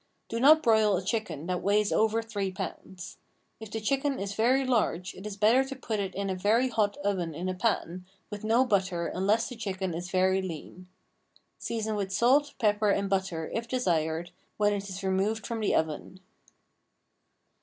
Do not broil a chicken that weighs over three pounds. If the chicken is very large it is better to put it in a very hot oven in a pan, with no butter unless the chicken is very lean. Season with salt, pepper and butter, if desired, when it is removed from the oven.